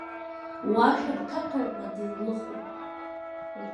Уа, шәырҭаҭоума дызлыху?